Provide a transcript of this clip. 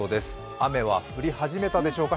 雨は降り始めたのでしょうか。